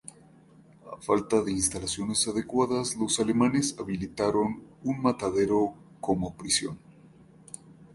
A falta de instalaciones adecuadas, los alemanes habilitaron un matadero como prisión.